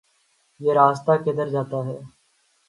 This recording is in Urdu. یہ راستہ کدھر جاتا ہے